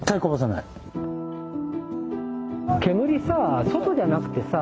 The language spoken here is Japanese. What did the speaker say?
煙さ外じゃなくてさ